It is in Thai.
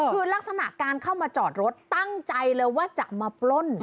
คือลักษณะการเข้ามาจอดรถตั้งใจเลยว่าจะมาปล้น